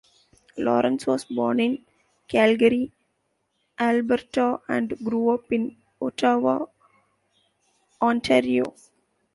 Lawrence was born in Calgary, Alberta, and grew up in Ottawa, Ontario.